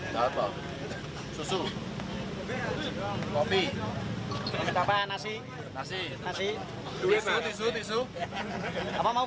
di tempat yang asli di jemaah